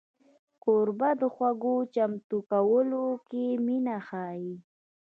کوربه د خوړو چمتو کولو کې مینه ښيي.